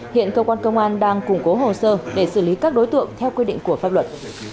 hiện cơ quan công an đang củng cố hồ sơ để xử lý các đối tượng theo quy định của pháp luật